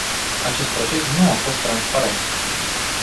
Acest proces nu a fost transparent.